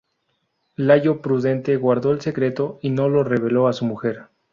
Layo, prudente, guardó el secreto y no lo reveló a su mujer.